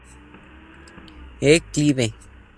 E. Clive.